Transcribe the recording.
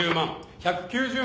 １９０万。